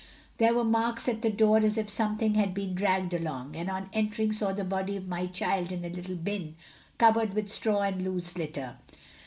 There were marks at the door as if something had been dragged along, and on entering saw the body of my child in a little bin, covered with straw and loose litter.